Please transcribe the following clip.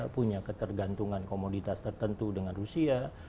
punya ketergantungan komoditas tertentu dengan rusia